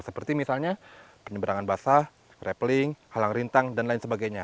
seperti misalnya penyeberangan basah rapeling halang rintang dan lain sebagainya